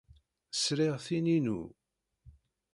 Sriɣ tin-inu.